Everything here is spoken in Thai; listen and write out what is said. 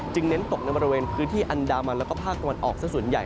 เน้นตกในบริเวณพื้นที่อันดามันแล้วก็ภาคตะวันออกสักส่วนใหญ่